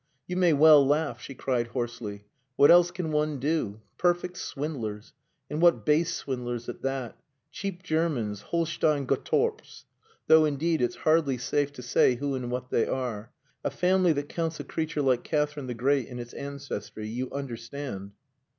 "You may well laugh!" she cried hoarsely. "What else can one do! Perfect swindlers and what base swindlers at that! Cheap Germans Holstein Gottorps! Though, indeed, it's hardly safe to say who and what they are. A family that counts a creature like Catherine the Great in its ancestry you understand!"